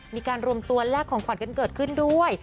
มีการรวมตัวแลกของขวัญกันเกิดขึ้นด้วย